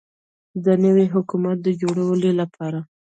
د نوي حکومت د جوړیدو لپاره